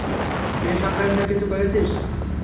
মেয়ে সংক্রান্ত কিছু করেছিস?